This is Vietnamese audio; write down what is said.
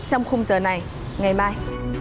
hẹn gặp lại quý vị lần này ngày mai